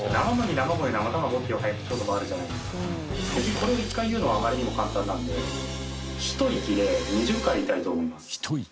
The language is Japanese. これを１回言うのはあまりにも簡単なんでひと息で２０回言いたいと思います。